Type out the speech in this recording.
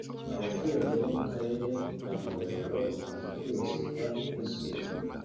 Abaturage bo mu Karere ka Ngororero bakunze kwibasirwa n’isuri